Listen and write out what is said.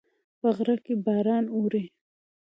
په غره کې باران اوري